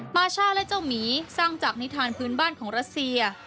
มาช่าและเจ้าหมีสร้างจากนิทานพื้นบ้านของรัสเซีย